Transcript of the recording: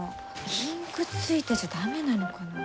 インクついてちゃ駄目なのかな？